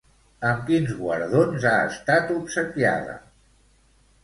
Amb quins guardons ha estat obsequiada?